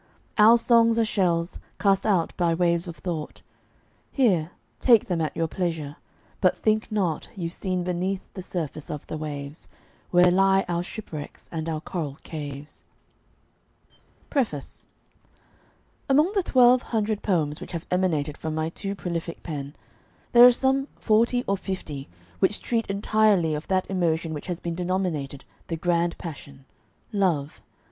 Our songs are shells, cast out by waves of thought; Here, take them at your pleasure; but think not You've seen beneath the surface of the waves, Where lie our shipwrecks and our coral caves. [Illustration: THE POET'S SONG] PREFACE Among the twelve hundred poems which have emanated from my too prolific pen there are some forty or fifty which treat entirely of that emotion which has been denominated "the grand passion" love.